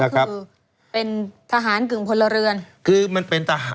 ก็คือเป็นทหารกึ่งพลเรือน